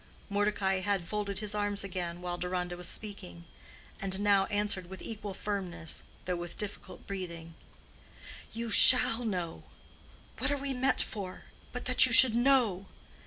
Mordecai had folded his arms again while Deronda was speaking, and now answered with equal firmness, though with difficult breathing, "You shall know. What are we met for, but that you should know.